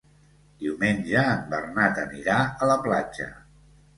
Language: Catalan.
Diumenge en Bernat anirà a la platja.